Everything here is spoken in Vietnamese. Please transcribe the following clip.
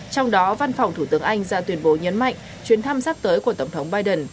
trong đó văn phòng thủ tướng anh ra tuyên bố nhấn mạnh chuyến thăm sắp tới của tổng thống biden